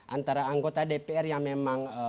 antara anggota dpr yang memang